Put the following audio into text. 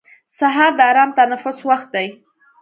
سهار د ارام تنفس وخت دی.